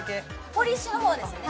ポリッシュのほうですね